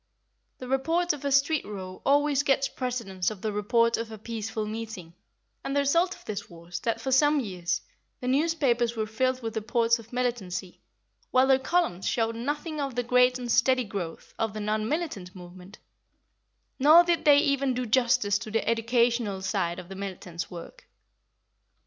The report of a street row always gets precedence of the report of a peaceful meeting, and the result of this was that, for some years, the newspapers were filled with reports of militancy, while their columns showed nothing of the great and steady growth of the non militant movement, nor did they even do justice to the educational side of the militants' work.